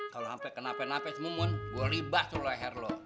kalau hampir kena penapis mumun gua libas lo leher lo